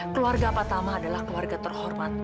keluarga pak tama adalah keluarga terhormat